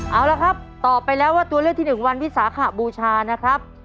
เอาละครับตอบไปแล้วว่าตัวเลือกที่๑วันวิสาขบูชานะครับ